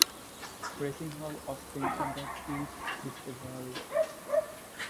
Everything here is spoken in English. Racing Hall of Fame inductee Discovery.